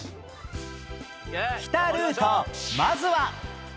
北ルートまずは